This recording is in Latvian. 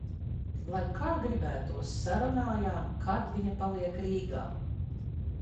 Lai kā gribētos, sarunājam, kad viņa paliek Rīgā.